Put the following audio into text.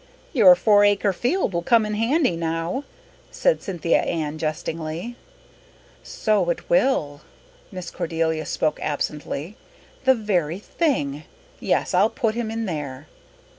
"Your four acre field will come in handy now," said Cynthia Ann jestingly. "So it will." Miss Cordelia spoke absently. "The very thing! Yes, I'll put him in there."